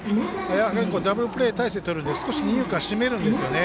ダブルプレー態勢とるんで少し二遊間詰めるんですよね。